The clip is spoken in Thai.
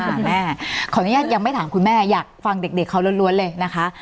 แม่ขออนุญาตยังไม่ถามคุณแม่อยากฟังเด็กเขาล้วนเลยนะคะ